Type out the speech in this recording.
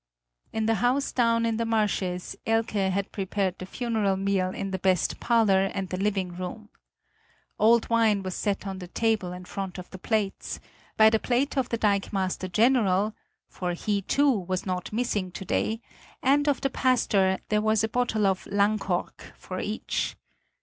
In the house down in the marshes Elke had prepared the funeral meal in the best parlour and the living room. Old wine was set on the table in front of the plates; by the plate of the dikemaster general for he, too, was not missing today and of the pastor there was a bottle of "Langkork" for each.